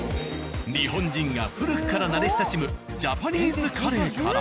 日本人が古くから慣れ親しむジャパニーズカレーから。